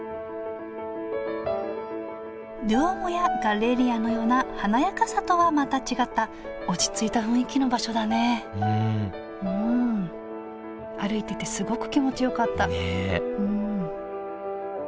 ドゥオーモやガッレリアのような華やかさとはまた違った落ち着いた雰囲気の場所だねうん歩いててすごく気持ちよかったねえ